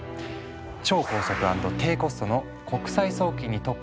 超高速＆低コストの国際送金に特化した通貨。